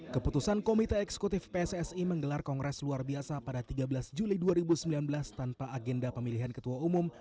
keputusan komite eksekutif pssi menggelar kongres luar biasa pada tiga belas juli dua ribu sembilan belas tanpa agenda pemilihan ketua umum